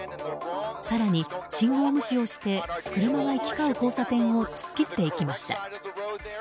更に信号無視をして車が行き交う交差点を突っ切っていきました。